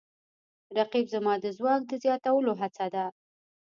رقیب زما د ځواک د زیاتولو هڅه ده